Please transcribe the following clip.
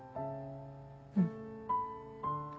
うん。